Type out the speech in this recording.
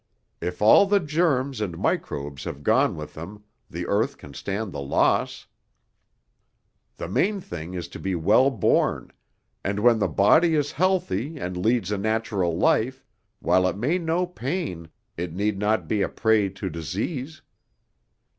If all the germs and microbes have gone with them, the earth can stand the loss. The main thing is to be well born, and when the body is healthy and leads a natural life, while it may know pain, it need not be a prey to disease.